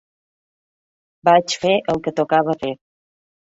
Vaig fer el que tocava fer.